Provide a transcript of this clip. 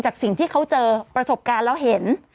สิ่งที่เขาเจอประสบการณ์แล้วเห็น